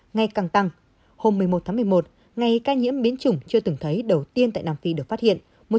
ngày càng tăng hôm một mươi một tháng một mươi một ngày ca nhiễm biến chủng chưa từng thấy đầu tiên tại nam phi được phát hiện